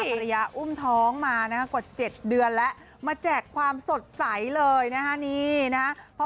ภรรยาอุ้มท้องมากว่า๗เดือนแล้วมาแจกความสดใสเลยนะฮะนี่นะฮะ